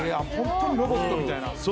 ・ホントにロボットみたいな。